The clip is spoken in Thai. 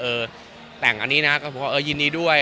แต่งอันนี้นะก็บอกว่าเออยินดีด้วย